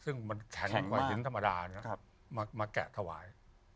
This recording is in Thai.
ซึ่งมันแข็งกว่าหินธรรมดามาแกะถวาย